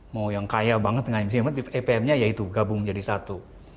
mau yang kaya banget ipm nya ya itu gabung menjadi satu